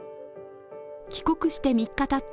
帰国して３日たった